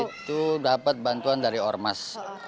itu dapat bantuan dari ormas